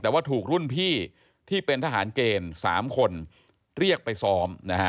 แต่ว่าถูกรุ่นพี่ที่เป็นทหารเกณฑ์๓คนเรียกไปซ้อมนะฮะ